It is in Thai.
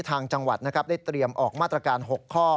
ทางจังหวัดได้เตรียมออกมาตรการ๖ข้อ